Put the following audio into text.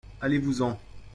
allez-vous en.